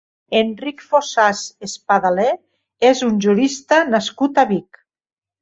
Enric Fossas Espadaler és un jurista nascut a Vic.